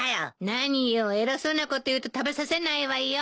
何よ偉そうなこと言うと食べさせないわよ。